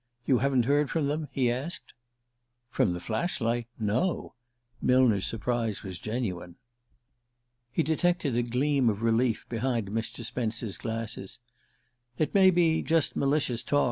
"You haven't heard from them?" he asked. "From the Flashlight? No." Millner's surprise was genuine. He detected a gleam of relief behind Mr. Spence's glasses. "It may be just malicious talk.